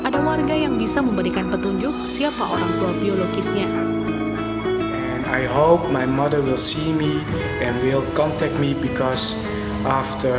ada warga yang bisa memberikan petunjuk siapa orang tua biologisnya